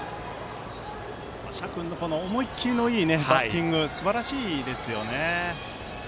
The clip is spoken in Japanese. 謝君の思い切りのいいバッティングすばらしいですよね。